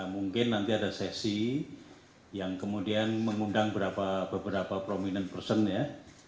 mungkin nanti ada sesi yang kemudian mengundang beberapa prominent person ya